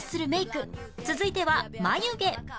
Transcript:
続いては眉毛